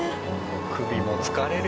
首も疲れるよ。